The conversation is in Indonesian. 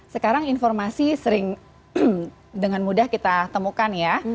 sekarang informasi sering dengan mudah kita temukan ya